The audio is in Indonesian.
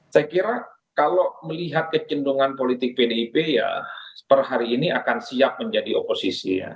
saya kira kalau melihat kecendungan politik pdip ya per hari ini akan siap menjadi oposisi ya